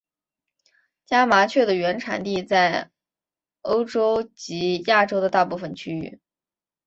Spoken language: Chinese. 家麻雀的原产地在欧洲及亚洲的大部份区域。